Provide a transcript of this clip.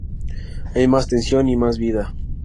Hay más tensión y más vida.